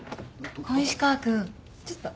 小石川君ちょっと。